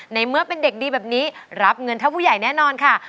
ในเมื่อเป็นเด็กดีแบบนี้รับเงินเท่าผู้ใหญ่แน่นอนค่ะ